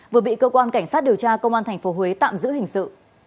vừa bị cơ quan cảnh sát điều tra công an tp huế tạm giữ hình sự